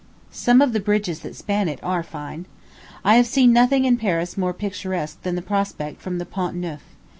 Some of the bridges that span it are fine. I have seen nothing in Paris more picturesque than the prospect from the Pont Neuf.